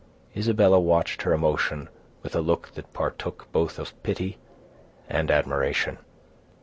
Isabella watched her emotion with a look that partook both of pity and admiration.